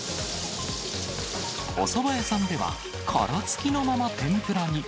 おそば屋さんでは、殻つきのまま天ぷらに。